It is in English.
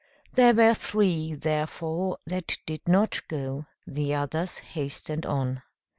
There were three, therefore, that did not go; the others hastened on.